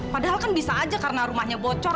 padahal kan bisa aja karena rumahnya bocor